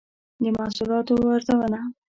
د محصولاتو ارزونه